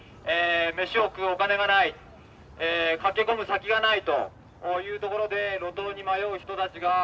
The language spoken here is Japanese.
飯を食うお金がない駆け込む先がないというところで路頭に迷う人たちが増えている。